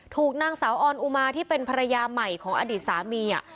ถูกนางสาวออนอุมาที่เป็นภรรยาใหม่ของอดีตสามี